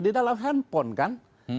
di dalam handphone kan